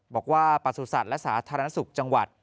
บอกว่าประสุทธิ์และสาธารณสุขจังหวัด